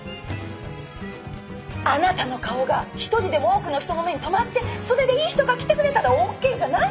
あなたの顔が一人でも多くの人の目に留まってそれでいい人が来てくれたらＯＫじゃない？